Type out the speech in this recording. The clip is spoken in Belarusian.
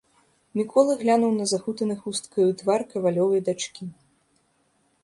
Мікола глянуў на захутаны хусткаю твар кавалёвай дачкі.